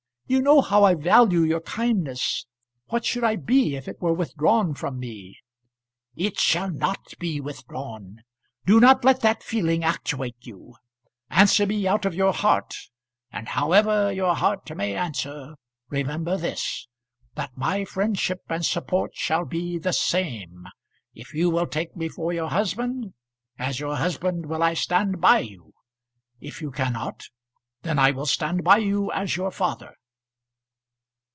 You know how I value your kindness. What should I be if it were withdrawn from me?" "It shall not be withdrawn. Do not let that feeling actuate you. Answer me out of your heart, and however your heart may answer, remember this, that my friendship and support shall be the same. If you will take me for your husband, as your husband will I stand by you. If you cannot, then I will stand by you as your father."